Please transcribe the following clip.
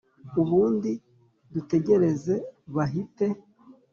ubundi dutegereze bahite"